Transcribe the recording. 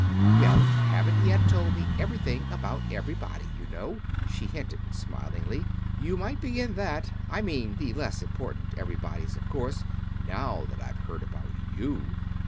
"Well, you haven't yet told me everything about everybody, you know," she hinted smilingly. "You might begin that I mean the less important everybodies, of course, now that I've heard about you."